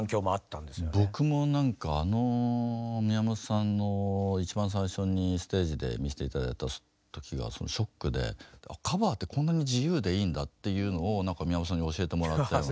僕もなんかあの宮本さんの一番最初にステージで見せて頂いた時がショックでカバーってこんなに自由でいいんだっていうのを宮本さんに教えてもらったような。